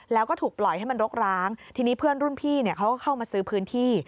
แล้วก็ถูกปล่อยให้มันรกร้างทีนี้เพื่อนรุ่นพี่เนี่ยเขาก็เข้ามาซื้อพื้นที่